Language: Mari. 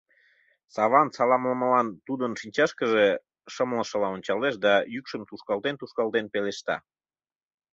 Саван саламлымылан тудын шинчашкыже шымлышыла ончалеш да йӱкшым тушкалтен-тушкалтен пелешта: